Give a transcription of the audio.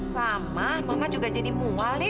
sama mama juga jadi mual nih